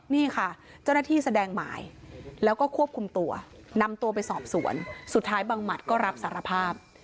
นี่ค่ะเจ้าหน้าที่แสดงหมายแล้วก็ควบคุมตัวนำตัวไปสอบสวนสุดท้ายบังหมัดก็รับสารภาพ